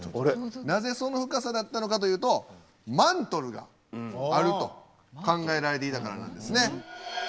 なぜその深さだったのかというとマントルがあると考えられていたからなんですね。